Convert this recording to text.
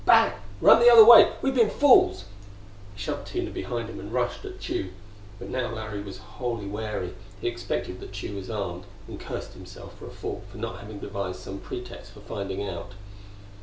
"Back! Run the other way! We've been fools!" He shoved Tina behind him and rushed at Tugh. But now Larry was wholly wary; he expected that Tugh was armed, and cursed himself for a fool for not having devised some pretext for finding out.